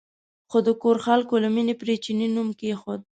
خو د کور خلکو له مینې پرې چیني نوم کېښود.